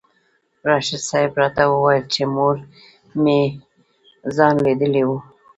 راشد صاحب راته وویل چې مور مې خان لیدلی و.